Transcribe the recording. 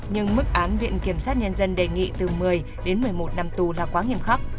nhưng mức án viện kiểm sát nhân dân đề nghị từ một mươi đến một mươi một năm tù là quá nghiêm khắc